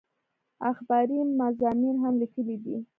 اخباري مضامين هم ليکلي دي